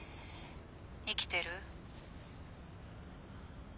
生きてる？